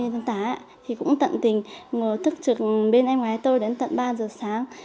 các bác sĩ cũng tận tình ngồi thức trực bên em gái tôi đến tận ba giờ sáng